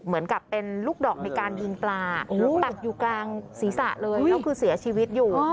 เหมือนกับเป็นลูกดอกในการยิงปลาตัดอยู่กลางศีรษะเลยก็คือเสียชีวิตอยู่